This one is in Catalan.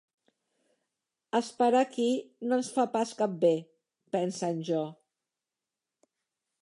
"Esperar aquí no ens fa pas cap bé", pensa en Jo.